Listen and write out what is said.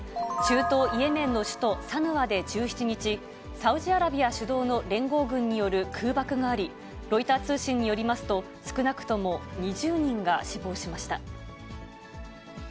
中等イエメンの首都サヌアで１７日、サウジアラビア主導の連合軍による空爆があり、ロイター通信によりますと、少なくとも２０人が死亡しました。